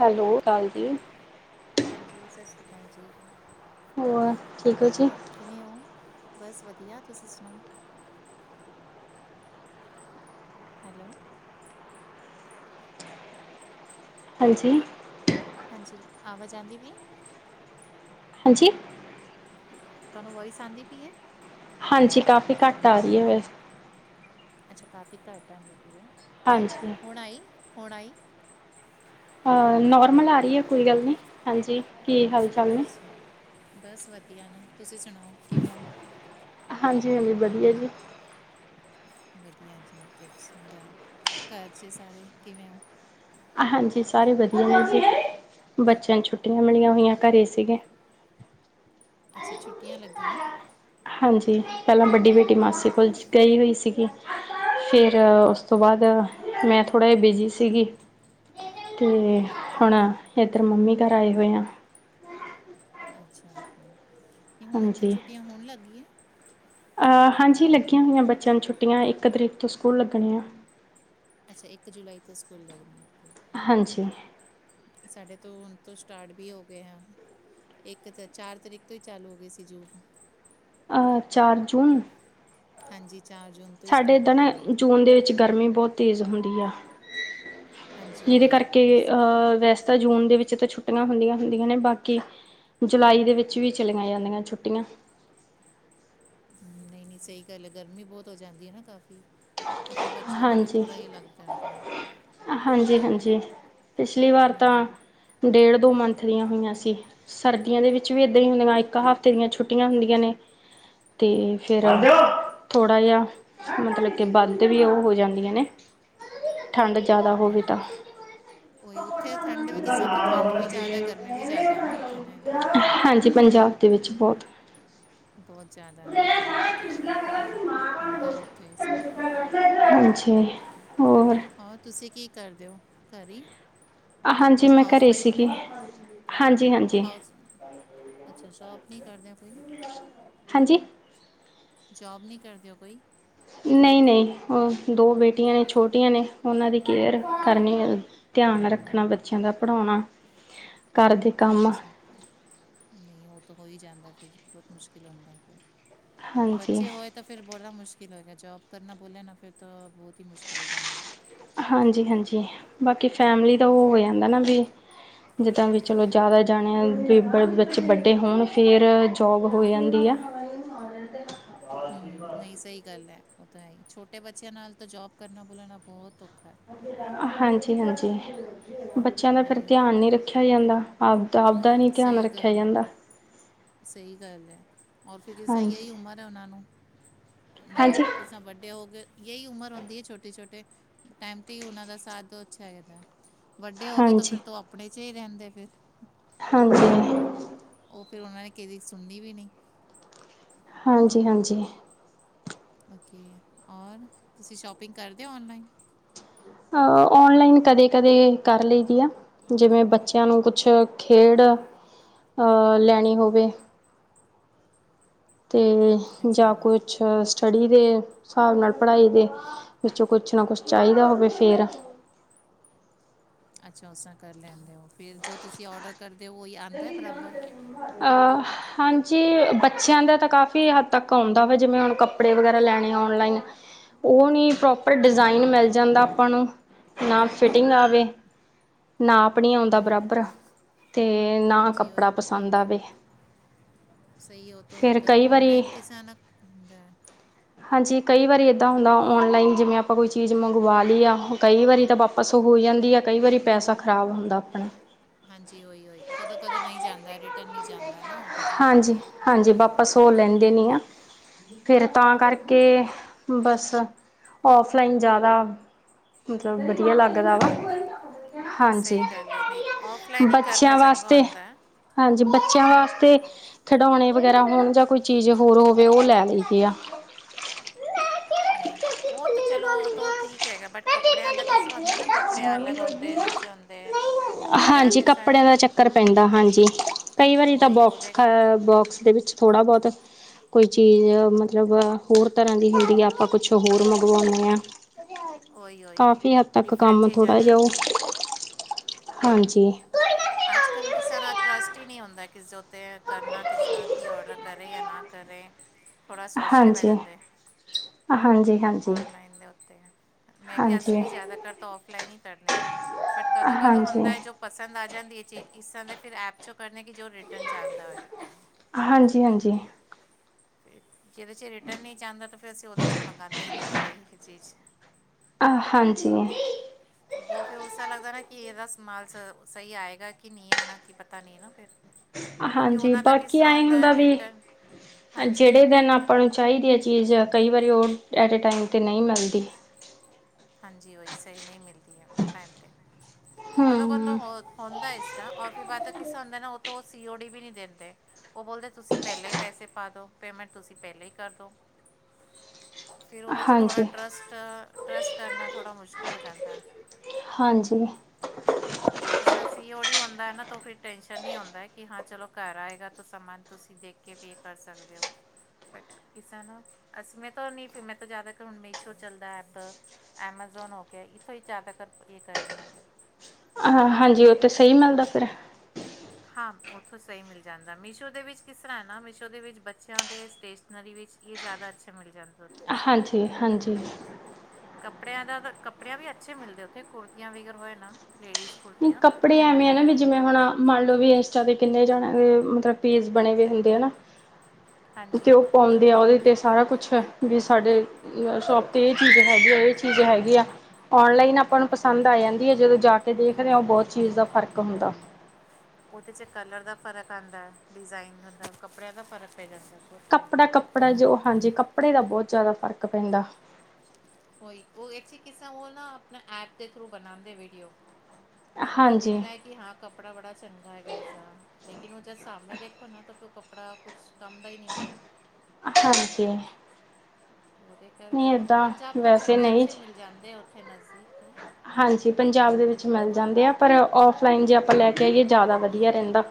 Hello, [unintelligible] ਸਤ ਸ੍ਰੀ ਅਕਾਲ ਜੀ। ਹਾਂਜੀ, ਸਤਿ ਸ਼੍ਰੀ ਅਕਾਲ ਜੀ। ਭੂਆ, ਠੀਕ ਉ ਜੀ? ਹੋਰ ਕਿਵੇਂ ਹੋ? ਬਸ ਵਧੀਆ। ਤੁਸੀਂ ਸੁਣਾਓ? ਹੈਲੋ! ਹਾਂਜੀ! ਹਾਂਜੀ, ਆਵਾਜ ਆਉਂਦੀ ਪਈ ਏ? ਹਾਂਜੀ? ਤੁਹਾਨੂੰ ਵੋਇਸ ਆਉਂਦੀ ਪਈ ਏ? ਹਾਂਜੀ, ਕਾਫੀ ਘੱਟ ਆ ਰਹੀ ਹੈ ਵੈਸੇ। ਅੱਛਾ! ਕਾਫ਼ੀ ਘੱਟ ਆਂਦੀ ਪਈ ਐ। ਹਾਂਜੀ। ਹੁਣ ਆਈ, ਹੁਣ ਆਈ? ਆ ਨੋਰਮਲ ਆ ਰਹੀ ਐ, ਕੋਈ ਗੱਲ ਨੀਂ, ਹਾਂਜੀ, ਕੀ ਹਾਲ ਚਾਲ ਨੇ ਅੱਛਾ, ਬਸ ਵਧੀਆ ਨੇਂ, ਤੁਸੀਂ ਸੁਣਾਓ ਕਿਵੇਂ ਓ? ਹਾਂਜੀ-ਹਾਂਜੀ, ਵਧੀਆ ਜੀ। ਵਧੀਆ ਜੀ ਓਕੇ, [unintelligible] ਚੰਗਾ ਐ, ਘਰ ਚ ਸਾਰੇ ਕਿਵੇਂ ਓ? ਹਾਂਜੀ ਸਾਰੇ ਵਧੀਆ ਨੇਂ ਜੀ, ਬੱਚਿਆਂ ਨੂੰ ਛੁੱਟੀਆਂ ਮਿਲੀਆਂ ਹੋਈਆਂ, ਘਰੇ ਸੀਗੇ। ਅੱਛਾ, ਛੁੱਟੀਆਂ ਲੱਗੀਆਂ? ਹਾਂਜੀ, ਪਹਿਲਾਂ ਵੱਡੀ ਬੇਟੀ ਮਾਸੀ ਕੋਲ, ਗਈ ਹੋਈ ਸੀਗੀ। ਫ਼ੇਰ ਉਸ ਤੋਂ ਬਾਅਦ, ਮੈਂ ਥੋੜ੍ਹਾ ਜਿਹਾ ਬਿਜੀ ਸੀਗੀ ਤੇ ਓਕੇ ਹੁਣ, ਏਧਰ ਮੰਮੀ ਘਰ ਆਏ ਹੋਏ ਆ। ਅੱਛਾ- [unintelligible] ਅੱਛਾ, ਤੇ ਹੁਣ ਉੱਥੇ ਛੁੱਟੀਆਂ ਹੋਣ ਲੱਗ ਗਈਆਂ? ਅ-ਹਾਂਜੀ ਲੱਗੀਆਂ ਹੋਈਆਂ ਬੱਚਿਆਂ ਨੂੰ ਛੁੱਟੀਆਂ, ਇੱਕ ਤਰੀਕ ਤੋਂ ਸਕੂਲ ਲੱਗਣੇ ਆ। ਅੱਛਾ, ਇੱਕ ਜੁਲਾਈ ਤੋਂ ਸਕੂਲ ਲੱਗਨੇਂ ਆਂ, ਓਕੇ। ਹਾਂਜੀ। ਸਾਡੇ ਤੋਂ ਹੁਣ ਤੋਂ ਸਟਾਟ ਵੀ ਹੋ ਗਏ ਆਂ। ਇੱਕ ਤੇ ਚਾਰ ਤਰੀਕ ਤੋਂ ਈ ਚਾਲੂ ਹੋ ਗਏ ਸੀ, ਜੂਨ ਨੂੰ। ਅਹ, ਚਾਰ ਜੂਨ ਹਾਂਜੀ, ਚਾਰ ਜੂਨ। ਤੋਂ ਹੀ ਸਾਡੇ ਸਟਾਰਟ ਏਧਰ ਹੋ ਨਾਂ, ਗਏ ਨੇ ਇੱਥੇ ਜੂਨ ਦੇ ਵਿੱਚ ਗਰਮੀ ਬਹੋਤ ਤੇਜ਼ ਹੁੰਦੀ ਆ। ਹਾਂਜੀ ਜਿਹਦੇ ਹੋਈ ਕਰਕੇ, ਉਸ ਅਹ ਵੈਸੇ ਤਾਂ ਜੂਨ ਦੇ ਵਿੱਚ ਤੇ ਛੁੱਟੀਆਂ ਹੁੰਦੀਆਂ-ਹੁੰਦੀਆਂ ਨੇਂ ਬਾਕੀ ਜੁਲਾਈ ਦੇ ਵਿੱਚ ਵੀ ਚਲੀਆਂ ਜਾਂਦੀਆਂ ਛੁੱਟੀਆਂ। ਹੂੰ, ਨਈਂ-ਨਈਂ ਸਹੀ ਗੱਲ ਐ, ਗਰਮੀ ਬਹੁਤ ਹੋ ਜਾਂਦੀ ਐ ਨਾਂ ਕਾਫ਼ੀ। ਤੋ ਫੇਰ ਬੱਚੇਆਂ ਨੂੰ ਵੀ ਥੋੜਾ ਏ ਲੱਗਦਾ ਹੈਗਾ। ਹਾਂਜੀ-ਹਾਂਜੀ, ਪਿਛਲੀ ਵਾਰ ਨਹੀਂ ਨਹੀਂ ਤਾਂ, ਡੇਢ-ਦੋ ਮੰਥ ਦੀਆਂ ਹੋਈਆਂ ਸੀ। ਸਰਦੀਆਂ ਦੇ ਵਿੱਚ ਵੀ ਏਦਾਂ ਈ ਹੁੰਦੀਆਂ, ਇੱਕ ਹਫ਼ਤੇ ਦੀਆਂ ਛੁੱਟੀਆਂ ਹੁੰਦੀਆਂ ਨੇ। ਤੇ ਫ਼ੇਰ ਥੋੜਾ ਜਾ ਮਤਲਬ ਕਿ ਵੱਧ ਵੀ ੳਹ ਹੋ ਜਾਂਦੀਆਂ ਨੇ, ਠੰਡ ਜਾਦਾ ਹੋਵੇ ਨਹੀਂ ਤਾਂ। ਉਹੀ ਉੱਥੇ ਠੰਡ ਵੀ ਕਿਸਾਂ ਉੱਥੇ ਠੰਡ ਵੀ ਜ਼ਿਆਦਾ ਗਰਮੀ ਵੀ ਜ਼ਿਆਦਾ ਨਾ ਉੱਥੇ ਨਾ ਇਹਦੇ ਕਰਕੇ ਹਾਂਜੀ ਪੰਜਾ ਦੇ ਵਿੱਚ ਬੋਤ ਬੋਤ ਜਾਦਾ ਨੇ ੳਥੇ ਵਈ ਹੁੰਦਾ ੳਥੇ ਇਸਾ। ਹਾਂਜੀ, ਹੋਰ ਔਰ ਤੁਸੀ ਕੀ ਕਰਦੇ ਓ? ਘਰੇ ਈ ਹਾਂਜੀ ਮੈਂ ਘਰੇ ਹਾਊਸ-ਵਾਈਫ ਸੀਗੀ ਨੇ, ਹਾਂਜੀ ਹਾਂਜੀ ਹਾਊਸ ਅੱਛਾ ਜੋਬ ਨੀ ਕਰਦੇ ਆਂ ਕੋਈ? ਹਾਂਜੀ ਜੋਬ ਨੀ ਕਰਦੇ ਓ ਕੋਈ? ਨਈ-ਨਈ, ੳਹ ਦੋ ਬੇਟੀਆਂ ਨੇ ਛੋਟੀਆਂ ਨੇ, ੳਨਾਂ ਦੀ ਕੇਅਰ ਕਰਨੀ ਏ ਧਆਨ ਰੱਖਨਾ ਬੱਚੇਆਂ ਦਾ, ਪੜੋਨਾ, ਘਰ ਦੇ ਕੰਮ ਅੱਛਾ-ਅੱਛਾ, ਨਈ ੳਹ ਤੋ ਹੋ ਈ ਜਾਂਦਾ ਫੇਰ, ਬੋਤ ਮੁਸ਼ਕਿਲ ਹੁੰਦਾ ਫੇਰ। ਹਾਂਜੀ ਬੱਚੇ ਹੋਏ ਤਾਂ ਫੇਰ ਬੋੜਾ ਮੁਸ਼ਕਿਲ ਹੋਏਗਾ, ਜੋਬ ਕਰਨਾ ਬੋਲਿਆ ਨਾ ਫੇਰ ਤਾਂ ਬੋਤ ਈ ਮੁਸ਼ਕਿਲ ਹੋ ਜਾਂਦਾ। ਹਾਂਜੀ-ਹਾਂਜੀ, ਬਾਕੀ ਫੈਮਲੀ ਦਾ ੳਹ ਹੋ ਅੱਛਾ ਜਾਂਦਾ ਨਾਂ ਵੀ ਜਿੱਦਾਂ ਵੀ ਚਲੋ ਜਾਦਾ ਜਾਣੇ ਵੀ ਬ ਬੱਚੇ ਵੱਡੇ ਹੋਨ ਫੇਰ ਜੋਬ ਹੋ ਜਾਂਦੀ ਆ। ਹੂੰ ਨਈ ਸਹੀ ਗੱਲ ਐ, ਉਹ ਤਾਂ ਹੈ ਈ। ਛੋਟੇ ਬੱਚੇਆਂ ਨਾਲ ਤਾਂ ਜੋਬ ਕਰਨਾ ਬੋਲਾ ਨਾ ਬੋਤ ਔਖਾ ਐ। ਹਾਂਜੀ-ਹਾਂਜੀ, ਬੱਚੇਆਂ ਦਾ ਫੇਰ ਨਹੀਂ ਧਿਆਨ ਨੀ ਰੱਖੇਆ ਜਾਂਦਾ। ਆਪ ਦਾ ਆਪ ਦਾ ਨੀ ਧਿਆਨ ਸਹੀ ਰੱਖੇਆ ਗੱਲ ਹੈ ਜਾਂਦਾ। ਸਹੀ ਗੱਲ ਏ। ਔਰ ਫੇਰ ਇਸ ਹਾਂਜੀ ਯੇਈ ਉਮਰ ਹੈ ੳਨਾਂ ਨੂੰ ਨਾਲ ਹਾਂਜੀ ਕਿਸਾਂ ਵੱਡੇ ਹੋ ਗਏ ਯੇਈ ਉਮਰ ਹੁੰਦੀ ਏ ਛੋਟੇ-ਛੋਟੇ ਟੈਮ ਤੇ ਈ ੳਨਾਂ ਦਾ ਸਾਥ ਦੋ ਅੱਛਾ ਹੈਦਾ ਏ। ਵੱਡੇ ਹੋ ਕੇ ਤੇ ਹਾਂਜੀ ਫੇਰ ਤੋ ੳ ਅਪਣੇ ਚ ਹੀ ਰਹੰਦੇ ਫਿਰ। ਹਾਂਜੀ। ੳ ਫਿਰ ੳਨਾਂ ਨੇ ਕਿਦੀ ਸੁਨੀ ਵੀ ਨਈ। ਹਾਂਜੀ-ਹਾਂਜੀ। ਓਕੇ, ਔਰ ਤੁਸੀ ਸ਼ੋਪਿੰਗ ਕਰਦੇ ਹੳ ਔਨਲਾਈਨ? ਅ ਔਨਲਾਈਨ ਕਦੇ-ਕਦੇ ਕਰ ਲਈ ਦੀ ਆ। ਜਿਵੇਂ ਬੱਚੇਆਂ ਨੂੰ ਕੁਛ ਖੇਡ ਅਹ ਲੈਨੀ ਹੋਵੇ। ਤੇ ਜਾਂ ਅੱਛਾ ਜੀ ਕੁਛ ਸਟਡੀ ਦੇ ਸਾਬ ਨਾਲ ਪੜਾਈ ਦੇ ਵਿੱਚੋਂ ਕੁਛ ਨਾ ਕੁਛ ਚਾਈਦਾ ਹੋਵੇ ਫੇਰ ਆ ਅੱਛਾ, ੳਸਰਾ ਕਰ ਲੈਂਦੇ ੳ। ਫੇਰ ਜੋ ਤੁਸੀ ਔਡਰ ਕਰਦੇ ੳ, ੳਹੀ ਆਂਦਾ ਐ ਬਰਾਬਰ। ਅਹ ਹਾਂਜੀ, ਬੱਚੇਆਂ ਦਾ ਤਾਂ ਕਾਫੀ ਹੱਦ ਤੱਕ ਆਂਦਾ ਵਾ, ਜਿਵੇਂ ਹੁਨ ਕੱਪੜੇ ਵਗੈਰਾ ਲੈਨੇ ਔਨਲਾਈਨ। ੳਹ ਨਈ ਪ੍ਰੋਪਰ ਡਿਜ਼ਾਇਨ ਮਿਲ ਜਾਂਦਾ ਆਪਾਂ ਨੂੰ। ਨਾ ਫਿਟਿੰਗ ਆਵੇ, ਨਾਪ ਨੀ ਆਂਦਾ ਉਹੀ ਬਰਾਬਰ ਤੇ ਨਾ ਹਾਂਜੀ ਕੱਪੜਾ ਉਹੀ ਪਸੰਦ ਆਵੇ। ਸਹੀ ੳਹ ਤੋ ਫਿਰ ਹੈਗਾ। ਕਈ ਵਾਰੀ ਔਨਲਾਈਨ ਕਿਸਾ ਨਾ ਹੁੰਦਾ [inaudible] ਹਾਂਜੀ ਕਈ ਵਾਰੀ ਏਦਾਂ ਹੁੰਦਾ ਔਨਲਾਈਨ ਜਿਵੇਂ ਆਪਾਂ ਕੋਈ ਚੀਜ਼ ਮੰਗਵਾ ਲਈ ਆ ਓ ਕਈ ਵਾਰੀ ਤਾਂ ਬਾਪ ਪਸੋਂ ਹੋ ਜਾਂਦੀ ਆ ਕਈ ਵਾਰੀ ਪੈਸਾ ਖ਼ਰਾਬ ਹੁੰਦਾ ਆਪਣਾ ਹਾਂਜੀ ਓਹੀ-ਓਹੀ ਕਦੋਂ-ਕਦੋਂ ਨਈ ਜਾਂਦਾ ਰਿਟਰਨ ਨੀ ਜਾਂਦਾ ਨਾ ਓ ਫਿਰ ਹਾਂਜੀ ਹਾਂਜੀ ਵਾਪਸ ਓ ਲੈਂਦੇ ਨੀ ਆ। ਫੇਰ ਤਾਂ ਕਰਕੇ ਬਸ ਓਫਲਾਈਨ ਜਾਦਾ ਮਤਲਬ ਬ ਬੈਟਰ ਹੁੰਦਾ ਏ, ਸਈ ਗੱਲ ਐ ਨਈ ਔਫਲਾਈਨ ਈ ਛਾ ਵਾਸਤੇ, ਹਾਂਜੀ ਬੱਚਿਆਂ ਵਾਸਤੇ ਖਿਡੌਣੇ ਵਗੈਰਾ ਹੋਣ ਜਾਂ ਕੋਈ ਚੀਜ਼ ਹੋਰ ਹੋਵੇ ਓ ਲੈ ਲਈ ਦੇ ਆ। ਨਈ ਵੀ ਓ ਤਾਂ ਚਲੋ ਓ ਤੋ ਠੀਕ ਹੈਗਾ ਬਟ ਕੱਪੜਿਆਂ ਦਾ ਕਿਸ ਤਰਾਂ ਹੁੰਦਾ ਦਾ ਨਾ ਕੱਪੜਿਆਂ ਅਲੱਗ ਹੁੰ ਤੇ ਦੂਜੇ ਹੁੰਦੇ ਏ ਹਾਂਜੀ ਕੱਪ ਕੱਪੜਿਆਂ ਦਾ ਚੱਕਰ ਪੈਂਦਾ ਹਾਂਜੀ ਕਈ ਵਾਰੀ ਤਾਂ ਉਹੀ ਬੋਕਸ ਉਹਦੇ ਖ ਕਰਕੇ ਬੋਕਸ ਦੇ ਵਿੱਚ ਥੋੜ੍ਹਾ ਬੋਤ ਕੋਈ ਚੀਜ਼ ਮਤਲਬ ਹੋਰ ਤਰ੍ਹਾਂ ਦੀ ਹੁੰਦੀ ਆ ਕੁਛ ਹੋਰ ਮੰਗਵਾਉਂਦੇ ਆ। ਉਹੀ ਉਹੀ ਕਾਫੀ ਹੱਦ ਤੱਕ ਡਿਫਰੈਂਟ ਕੰਮ ਚੀਜ਼ ਆ ਥੋੜਾ ਜਿਹਾ ਓ, ਜਾਂਦੀ ਹੈ ਹਾਂਜੀ। ਅੱਜ-ਕੱਲ ਹਾਂਜੀ, ਕਿਸਰ ਦਾ ਟਰੱਸਟ ਈ ਨੀ ਹੁੰਦਾ ਕਿਸੇ ਉੱਤੇ ਐ ਕਰਨਾ ਕਿਸ ਤਰ੍ਹਾਂ ਕੀ ਔਡਰ ਕਰੇ ਜਾਂ ਨਾ ਹਾਂਜੀ। ਕਰੇ ਥੋੜਾ ਸੋਚਣੇ ਪੈ ਹਾਂਜੀ, ਜਾਂਦੇ ਹਾਂਜੀ। ਔਨਲਾਈਨ ਦੇ ਉੱਤੇ ਮੈਂ ਵੀ ਅਸੀਂ ਵੀ ਜਾਦਾ ਤਰ ਤਾਂ ਔਫਲਾਈਨ ਈ ਕਰਦੇ ਆ। ਬਟ ਕਦੋਂ-ਕਦੋਂ ਹਾਂਜੀ, ਹੁੰਦਾ ਏ ਜੋ ਪਸੰਦ ਆ ਜਾਂਦੀ ਐ ਚੀਜ਼ ਇਸ ਤਰ੍ਹਾਂ ਦੇ ਫਿਰ ਐਪ ਚੋਂ ਕਰਨੀ ਕਿ ਜੋ ਰਿਟਰਨ ਜਾਂਦਾ ਹੋ ਏ। ਹਾਂਜੀ-ਹਾਂਜੀ। ਜਿਦੇ ਚ ਰਿਟਰਨ ਨੀ ਜਾਂਦਾ ਤਾਂ ਫਿਰ ਅਸੀਂ ਓਦੇ ਚ ਮੰਗਵਾਦੇ ਈ ਨੀ ਐ ਕੋਈ ਚੀਜ਼। ਆਹ ਹਾਂਜੀ। ਓ ਫੇਰ ਓਸਰਾ ਤਾ ਲੱਗਦਾ ਨਾ ਕਿ ਏਦਾ ਸਮਾਲ ਸ ਸਈ ਆਏਗਾ ਕਿ ਨੀ ਆਣਾ ਕੀ ਪਤਾ ਨੀ ਨਾ ਫੇਰ ਕਿਉਂਕਿ ਹਾਂਜੀ ਓਨਾਂ ਦਾ ਕਿੱਸਾ ਆਉਂਦਾ ਐ ਰਟਰਨ ਜੇੜੇ ਦਿਨ ਆਪਾਂ ਨੂੰ ਚਾਈਦੀ ਏ ਚੀਜ਼ ਕਈ ਵਾਰੀ ਓ ਐਟੇ ਟਾਈਮ ਤੇ ਨਈ ਮਿਲਦੀ। ਹਾਂਜੀ ਓਈ ਸਈ ਨਈ ਮਿਲਦੀ ਆ ਟੈਮ ਤੇ, ਕਦੋਂ-ਕਦੋਂ ਹੂੰ, ਹੋ ਹੁੰਦਾ ਇਸ ਤਰ੍ਹਾਂ ਔਰ ਫੇਰ ਬਾਦ ਕਿਸਾ ਹੁੰਦਾ ਨਾ ਓ ਤਾਂ ਓ ਸੀ ਓ ਡੀ ਵੀ ਨੀ ਦਿੰਦੇ ਓ ਬੋਲਦੇ ਤੁਸੀਂ ਪੈਲੇ ਈ ਪੈਸੇ ਪਾ ਦੋ ਪੇਮੈਂਟ ਤੁਸੀਂ ਪੈਲੇ ਈ ਕਰਦੋ ਫੇਰ ਓਦੇ ਚ ਥੋੜਾ ਹਾਂਜੀ। ਟਰਸਟ-ਟਰਸਟ ਕਰਨਾ ਥੋੜਾ ਮੁਸ਼ਕਿਲ ਹੋ ਜਾਂਦਾ ਐ। ਹਾਂਜੀ। ਜਿਸ ਸਾ ਸੀ ਓ ਹੁੰਦਾ ਏ ਨਾ ਫਿਰ ਟੈਸ਼ਨ ਨੀ ਹੁੰਦਾ ਕਿ ਹਾਂ ਚਲੋ ਘਰ ਆਏਗਾ ਤਾਂ ਸਮਾਨ ਤੁਸੀਂ ਦੇਖ ਕੀ ਪੇ ਕਰ ਸਕਦੇ ਓ। ਬਟ ਕਿਸਾ ਨਾ ਅਸੀਂ ਮੈਂ ਤਾਂ ਨੀ ਮੈਂ ਤਾਂ ਜਾਦਾ ਹੁਨ ਮੀਸ਼ੋ ਚੱਲਦਾ ਐਪ ਐਮਾਜ਼ੋਨ ਹੋ ਗਿਆ ਇੱਥੋਂ ਹੀ ਜ਼ਿਆਦਾਤਰ ਇਹ ਕਰਨੀ ਆ ਫਿਰ ਆਹ ਹਾਂਜੀ ਓ ਤੇ ਸਈ ਮਿਲਦਾ ਫੇਰ ਹਾਂ ਓਥੋਂ ਸਈ ਮਿਲ ਜਾਂਦਾ ਮੀਸ਼ੋ ਦੇ ਵਿੱਚ ਕਿਸ ਤਰ੍ਹਾਂ ਨਾ ਮੀਸ਼ੋ ਦੇ ਵਿੱਚ ਬੱਚਿਆਂ ਦੇ ਸਟੇਜ ਨਰੀ ਵਿੱਚ ਇਹ ਜਾਦਾ ਅੱਛਾ ਮਿਲ ਜਾਂਦਾ। ਹਾਂਜੀ-ਹਾਂਜੀ। ਕੱਪੜਿਆਂ ਦਾ ਤਾਂ ਕੱਪੜਿਆਂ ਵੀ ਅੱਛੇ ਮਿਲਦੇ ਓਥੇ ਕੁੜਤੀਆਂ ਵਗਰ ਹੋਏ ਨਾ ਲੇਡੀਜ਼ ਕੁੜਤੀਆਂ ਕੱਪੜੇ ਮੈਂ ਐਵੇਂ ਆ ਨਾ ਮੰਗਾਈ ਵੀ ਜਿਵੇਂ ਕਟ ਹੁਣ ਮੰਨ ਲਓ ਵੀ ਏਸ ਬੱਚੇਆਂ ਦੇ ਕਿੰਨੇ ਜਾਣੇ ਦੇ ਮਤਲਬ ਪੇਜ ਬਣੇਏ ਹੁੰਦੇ ਹਨ ਹਾਂਜੀ ਤੇ ਓਹ ਹੋਈ ਪਾ ਤੇ ਓਦੇ ਤੇ ਸਾਰਾ ਕੁਛ ਵੀ ਸਾਡੇ ਸ਼ੋਪ ਤੇ ਏ ਚੀਜ਼ ਹੈਗੀ ਆ ਏ ਚੀਜ਼ ਹੈਗੀ ਆ ਔਨਲਾਈਨ ਆਪਾਂ ਨੂੰ ਹਾਂਜੀ ਪਸੰਦ ਆ ਜਾਂਦੀ ਹੈ ਜਦੋਂ ਜਾ ਕੇ ਦੇਖਦੇ ਆ ਉਹ ਬਹੁਤ ਚੀਜ਼ ਦਾ ਫ਼ਰਕ ਹੁੰਦਾ ਉਹਦੇ 'ਚ ਕਲਰ ਦਾ ਫ਼ਰਕ ਆਉਂਦਾ ਡਿਜ਼ਾਇਨ ਦਾ ਕੱਪੜਿਆਂ ਦਾ ਫਰਕ ਪੈ ਜਾਂਦਾ ਬਹੁਤ ਕੱਪੜਾ ਪੈਂਦਾ ਕੱਪੜਾ ਜੋ ਹਾਂਜੀ ਕੱਪੜੇ ਦਾ ਬਹੁਤ ਜ਼ਿਆਦਾ ਫ਼ਰਕ ਪੈਂਦਾ ਉਹੀ ਉਹ ਅਛੇ ਕਿਸਮ ਉਹ ਨਾ ਆਪਣਾ ਐਪ ਦੇ ਥਰੂ ਬਣਾਉਂਦੇ ਵੀਡੀਓ ਉਹ ਹਾਂਜੀ ਦਿਖਦਾ ਹੈ ਕਿ ਹਾਂ ਕੱਪੜਾ ਬੜਾ ਚੰਗਾ ਹੈਗਾ ਇਸਦਾ ਲੇਕਿਨ ਉਹ ਜਦ ਸਾਹਮਣੇ ਦੇਖੋ ਨਾ ਤਾ ਫਿਰ ਉਹ ਕੱਪੜਾ ਕੁਛ ਕੰਮ ਦਾ ਹੀ ਨਹੀਂ ਆਉਂਦਾ ਅੱਛਾ ਜੀ ਉਹਦੇ ਕਰਕੇ ਪੰਜਾਬ ਤੋਂ ਵੈਸੇ ਚੰਗੇ ਨਹੀਂ ਅੱਛੇ ਮਿਲ ਜਾਂਦੇ ਆ ਉੱਥੇ ਨਜ਼ਦੀਕ ਤੋਂ ਹਾਂਜੀ ਪੰਜਾਬ ਦੇ ਵਿੱਚ ਮਿਲ ਜਾਂਦੇ ਆ ਪਰ ਓਫਲਾਈਨ ਜੇ ਆਪਾਂ ਲੈ ਕੇ ਆਈਏ ਜ਼ਿਆਦਾ ਵਧੀਆ ਰਹਿੰਦਾ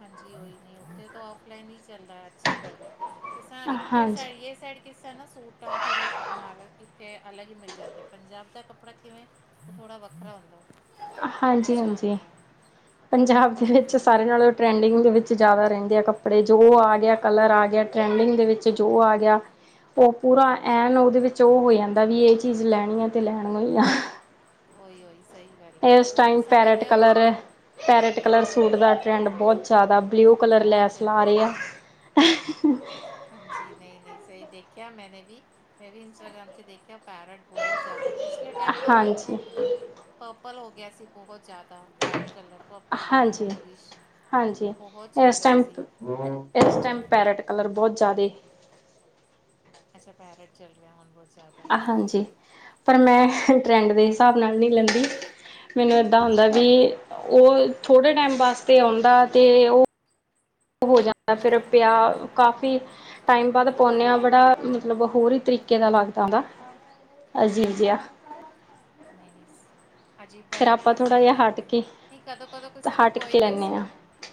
ਹਾਂਜੀ ਉਹੀ ਨੇ ਉੱਥੇ ਤਾਂ ਫਲਾਈਨ ਹੀ ਚੱਲਦਾ ਅੱਛੀ ਗੱਲ ਹੈ ਕਿਸ ਇੱਥੇ ਹਾਂਜੀ ਸ ਕਿਸੇ ਨਾ ਸੂਟਾਂ ਥੋੜ੍ਹੇ ਮਾਰਲ ਇੱਥੇ ਅਲੱਗ ਹੀ ਮਿਲ ਜਾਂਦੇ ਪੰਜਾਬ ਦਾ ਕੱਪੜਾ ਕਿਵੇਂ ਉਹ ਥੋੜਾ ਵੱਖਰਾ ਹੁੰਦਾ ਹਾਂਜੀ ਅੱਛਾ ਹਾਂਜੀ ਹੁੰਦਾ ਹੈ ਪੰਜਾਬ ਦੇ ਵਿੱਚ ਉੱਥੋਂ ਦੀ ਸਾਰੇ ਨਾਲੋਂ ਟਰੈਂਡਿੰਗ ਦੇ ਵਿੱਚ ਜ਼ਿਆਦਾ ਰਹਿੰਦੇ ਆ ਕੱਪੜੇ ਜੋ ਆ ਗਿਆ ਕਲਰ ਆ ਗਿਆ ਟਰੈਂਡਿੰਗ ਦੇ ਵਿੱਚ ਜੋ ਆ ਗਿਆ ਉਹ ਪੂਰਾ ਹਾਂਜੀ ਐਨ ਉਹੀ ਉਹਦੇ ਵਿੱਚ ਉਹ ਹੋ ਜਾਂਦਾ ਵੀ ਇਹ ਚੀਜ਼ ਲੈਣੀ ਆ ਤੇ ਲੈਣੀ ਹੀ ਆ ਉਈ, ਉਈ ਇਸ ਟਾਈਮ ਪੈਰਟ ਕਲਰ ਹੈ ਪੈਰਟ ਕਲਰ ਚੱਲ ਸੂਟ ਰਿਹਾ ਦਾ ਟ੍ਰੈਂਡ ਬਹੁਤ ਜਿਆਦਾ ਬਲਊ ਕਲਰ ਬਹੁਤ ਲੈਸ ਚੱਲ ਲਾ ਰਹੇ ਆ [unintelligible] ਹਾਂਜੀ ਨਹੀਂ ਨਹੀਂ ਸਹੀ ਦੇਖਿਆ ਮੈਂਨੇ ਵੀ ਮੈਂ ਵੀ ਇੰਸਟਾਗ੍ਰਾਮ ਚ ਦੇਖਿਆ ਪੈਰਟ ਬਹੁਤ ਜ਼ਿਆਦਾ ਪਿਛਲੇ ਟਾਈਮ ਤੋਂ ਹਾਂਜੀ, ਗ੍ਰ ਪਰਪਲ ਹੋ ਗਿਆ ਸੀ ਬਹੁਤ ਜ਼ਿਆਦਾ ਵਾਈਟ ਕਲਰ ਕੋਪਰ ਡਾਰਕ ਹਾਂਜੀ, ਕੋਪਰਿਸ਼ ਉਹ ਹਾਂਜੀ ਬਹੁਤ ਚੱਲ ਇਸ ਰਿਹਾ ਟਾਈਮ ਸੀ ਇਸ ਟਾਈਮ ਪੈਰਟ ਕਲਰ ਬਹੁਤ ਜਾਦੇ ਇਸ ਤਰ੍ਹਾਂ ਪੈਰਟ ਚੱਲ ਰਿਹਾ ਹੁਨ ਬਹੁਤ ਜ਼ਿਆਦਾ ਆ ਹਾਂਜੀ ਪਰ ਮੈਂ ਨਹੀਂ ਨਹੀਂ ਟਰੈਂਡ ਦੇ ਅੱਜ ਹਿਸਾਬ ਨਾਲ ਨਹੀਂ ਲੈਂਦੀ ਮੈਨੂੰ ਏਦਾਂ ਹੁੰਦਾ ਵੀ ਉਹ ਥੋੜੇ ਟਾਈਮ ਵਾਸਤੇ ਆਉਂਦਾ ਤੇ ਉਹ ਉਹ ਜਾਂਦਾ ਫਿਰ ਪਿਆ ਕਾਫੀ ਟਾਈਮ ਬਾਅਦ ਪਾਉਂਦੇੇ ਆ ਬੜਾ ਮਤਲਬ ਹੋਰ ਹੀ ਤਰੀਕੇ ਦਾ ਲੱਗਦਾ ਦਾ ਅਜੀਬ ਜਿਆ ਨਈ ਅਜੀਬ ਜਿਆ ਫਿਰ ਆਪਾਂ ਲੱਗਦਾ ਥੋੜ੍ਹਾ ਸਹੀ ਜਿਹਾ ਗੱਲ ਹਟ ਹੈ ਕੇ ਨਹੀਂ ਕਦੋਂ ਕਦੋਂ ਕਿਸੇ ਨਾ ਹਟ ਕੋਈ ਕੇ ਕੋਈ ਲੈਂਦੇ ਹਾਂ ਸੂਟ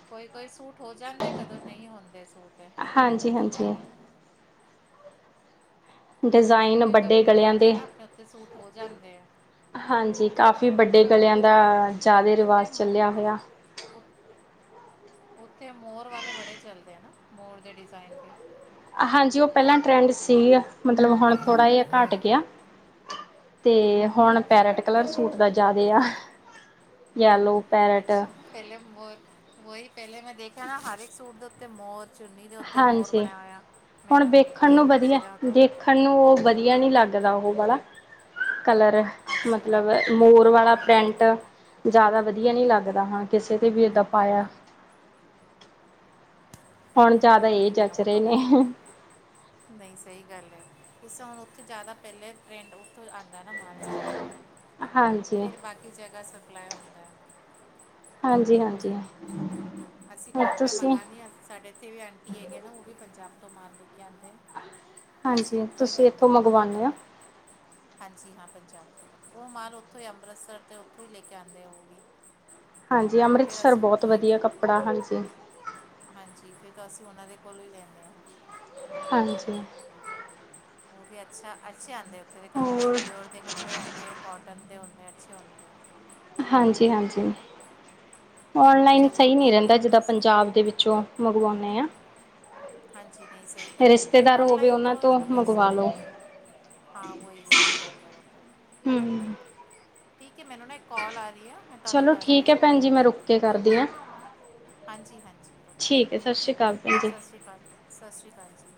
ਕੋਈ ਕੋਈ ਸੂਟ ਹੋ ਜਾਂਦੇ ਕਦੋਂ ਨਹੀਂ ਹੁੰਦੇ ਸੂਟ ਹਾਂਜੀ ਹਾਂਜੀ ਕੋਈ ਕੋਈ ਡਿਜ਼ਾਇਨ ਕੋਈ ਵੱਡੇ ਕਲਰ ਗਲਿਆਂ ਚ ਦੇ ਨਾ ਆਪਣੇ ਉੱਤੇ ਸੂਟ ਹੋ ਜਾਂਦੇ ਆ ਹਾਂਜੀ ਕਾਫੀ ਹਾਂ ਵੱਡੇ ਗਲਿਆਂ ਬਹੁਤ ਹੈ ਦਾ ਇਹਨਾਂ ਤੇ ਜ਼ਿਆਦੇ ਰਿਵਾਜ਼ ਚੱਲਿਆ ਹੋਇਆ ਉ ਉੱਥੇ ਮੋਰ ਵਾਲੇ ਬੜੇ ਚੱਲਦੇ ਆ ਨਾ ਮੋਰ ਦੇ ਡਿਜ਼ਾਇਨ ਤੇ ਹਾਂਜੀ ਉਹ ਪਹਿਲਾਂ ਟਰੈਂਡ ਸੀ ਮਤਲਬ ਹੁਣ ਥੋੜ੍ਹਾ ਜਿਹਾ ਘੱਟ ਗਿਆ ਤੇ ਹੁਣ ਅੱਛਾ ਪੈਰਟ ਘੱਟ ਕਲਰ ਗਿਆ ਹੁਣ ਸੂਟ ਦਾ ਜ਼ਿਆਦੇ ਆ ਯੈਲੋ ਪੈਰਟ ਅੱਛਾ ਪਹਿਲੇ ਮੋਰ ਉਹੀ ਪਹਿਲੇ ਮੈਂ ਦੇਖਾ ਨਾ ਹਰ ਇੱਕ ਸੂਟ ਦੇ ਉੱਤੇ ਮੋਰ ਚੁੰਨੀ ਦੇ ਉੱਤੇ ਮੋਰ ਹਾਂਜੀ ਬਣਿਆ ਹੋਇਆ ਮੈਂ ਨਾ ਇਹ ਕੀ ਸੀਗਾ ਤੋਂ ਸਾਨੂੰ ਉਹ ਵਧੀਆ ਨਹੀਂ ਲੱਗਦਾ ਉਹ ਵਾਲਾ ਕਲਰ ਅੱਛਾ ਮਤਲਬ ਮੋਰ ਵਾਲਾ ਪੈਂਟ ਜ਼ਿਆਦਾ ਵਧੀਆ ਨਹੀਂ ਲੱਗਦਾ ਹਾਂ ਕਿਸੇ ਤੇ ਵੀ ਇੱਦਾਂ ਪਾਇਆ ਉਹ ਹੁਣ ਨਹੀਂ ਨਹੀਂ ਜ਼ਿਆਦਾ ਇਹ ਠੀਕ ਹੈ ਨਾ ਜੱਚ ਉਹ ਰਹੇ ਤੋ ਨੇ ਹੈ ਨਈ ਸਹੀ ਗੱਲ ਏ ਇਸ ਤਰਾਂ ਹੁਣ ਉੱਥੇ ਜ਼ਿਆਦਾ ਪਹਿਲੇ ਟਰੈਂਡ ਉੱਥੋਂ ਆਉਂਦਾ ਨਾ ਮਾਲ ਸਾਰਾ ਹਾਂਜੀ ਫੇਰ ਬਾਕੀ ਜਗ੍ਹਾ ਸਪਲਾਈ ਹੁੰਦਾ। ਹਾਂਜੀ-ਹਾਂਜੀ ਹਾ ਅਸੀਂ ਖੁਦ ਮੈਂ ਮੰਗਾਂਂਨੀ ਹਾਂ ਸਾਡੇ ਇੱਥੇ ਵੀ ਆਂਟੀ ਹੈਗੇ ਨਾ ਉਹ ਵੀ ਪੰਜਾਬ ਤੋਂ ਮਾਲ ਲੈ ਕੇ ਆਉਂਦੇ ਹੈ। ਅਸੀਂ ਹਾਂਜੀ ਉੱਥੋਂ ਹੀ ਤੁਸੀਂ ਲੈਂਦੇ ਇੱਥੋਂ ਉਹਨਾਂ ਦੇ ਮੰਗਵਾਉਂਦੇ ਹੋ ਕੋਲੌ ਹੀ। ਹਾਂਜੀ ਹਾਂ ਪੰਜਾਬ ਤੋਂ ਹੀ ਉਹ ਮਾਲ ਉੱਥੋਂ ਹੀ ਅੰਮ੍ਰਿਤਸਰ ਤੋਂ ਉੱਥੋਂ ਹੀ ਲੈ ਕੇ ਆਉਂਦੇ ਆ ਉਹ ਵੀ। ਹਾਂਜੀ ਤਾਂ ਫਿਰ ਅੰਮ੍ਰਿਤਸਰ ਅਸੀਂ ਬਹੁਤ ਉੱਥੋਂ ਹੀ ਵਧੀਆ ਕੱਪੜਾ ਹਾਂਜੀ। ਹਾਂਜੀ ਫੇਰ ਤਾਂ ਅਸੀਂ ਉਹਨਾਂ ਦੇ ਕੋਲੋਂ ਹੀ ਲੈਂਨੇ ਹਾਂ। ਹਾਂਜੀ। ਉਹ ਵੀ ਅੱਛਾ ਅੱਛੇ ਆਂਦੇ ਉੱਥੋਂ ਵੀ ਕੱਪੜੇ ਹੋਰ ਪਿਓਰ ਦੇ ਕੱਪੜੇ ਹੁੰਦੇ ਕੋਟਨ ਦੇ ਹੁੰਦੇ ਅੱਛੇ ਹੁੰਦੇ ਆ। ਹਾਂਜੀ ਹਾਂਜੀ ਔਨਲਾਈਨ ਚਲੋ ਸਹੀ ਨਹੀਂ ਠੀਕ ਹੈ ਰਹਿੰਦਾ ਜਿੱਦਾਂ ਤੁਸੀਂ ਪੰਜਾਬ ਦੇ ਵਿੱਚੋਂ ਮੰਗਵਾਉਨੇ ਹਾਂ। ਹਾਂਜੀ, ਨਹੀਂ ਸਹੀ ਗੱਲ ਹੈ। ਰਿਸ਼ਤੇਦਾਰ ਹੋਵੇ ਔਨਲਾਈਨ ਉਹਨਾਂ ਤੋਂ ਮੰਗਵਾ ਰਿਸਕ ਲਓ। ਹਾਂ ਵਹੀ ਸਹੀ ਗੱਲ ਏ ਓ ਤਾ ਹੈ। ਹੂੰ ਠੀਕ ਹੈ ਮੈਨੂੰ ਨਾ ਇੱਕ ਕਾਲ ਆ ਰਹੀ ਆ। ਮੈਂ ਤੁਹਾਨੂੰ ਚਲੋ ਕਰਨੀ ਆ ਠੀਕ ਹੈ ਭੈਣ ਜੀ, ਮੈਂ ਰੁਕ ਕੇ ਕਰਦੀ ਹਾਂ। ਹਾਂਜੀ-ਹਾਂਜੀ ਓਕੇ ਠੀਕ ਹੈ ਸਤਿ ਸ਼੍ਰੀ ਅਕਾਲ ਭੈਣ ਜੀ। ਸਤਿ ਸ਼੍ਰੀ ਅਕਾਲ ਸਤਿ ਸ਼੍ਰੀ ਅਕਾਲ ਜੀ।